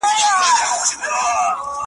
هغه نجلۍ له خپل پلار څخه ولي ناراضه وه؟